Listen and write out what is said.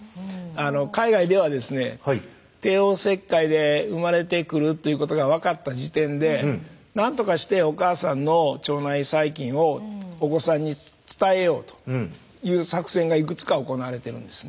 海外では帝王切開で生まれてくるということが分かった時点で何とかしてお母さんの腸内細菌をお子さんに伝えようという作戦がいくつか行われてるんですね。